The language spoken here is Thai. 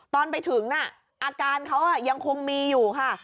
ตอนไปถึงน่ะอาการเขายังคงมีอยู่ค่ะ